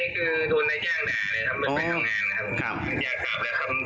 พวกมันกลับมาเมื่อเวลาที่สุดพวกมันกลับมาเมื่อเวลาที่สุด